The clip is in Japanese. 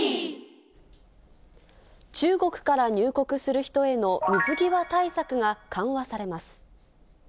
中国から入国する人への水際対策が緩和されます。